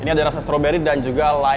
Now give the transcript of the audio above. ini ada rasa strawberry dan juga lime mango